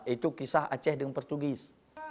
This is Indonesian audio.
itu kisah aceh dengan portugis